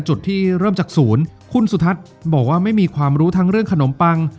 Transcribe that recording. จุดที่เริ่มจากศูนย์คุณสุทัศน์บอกว่าไม่มีความรู้ทั้งเรื่องขนมปัง